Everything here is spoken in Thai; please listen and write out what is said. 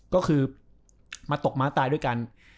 ก็คือมาตกม้าตายด้วยกัน